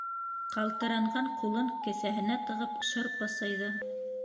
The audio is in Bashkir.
Ҡалтыранған ҡулын кеҫәһенә тығып, шырпы сыйҙы: